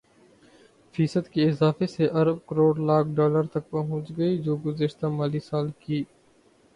فیصد کے اضافے سے ارب کروڑ لاکھ ڈالر تک پہنچ گئی جو گزشتہ مالی سال کی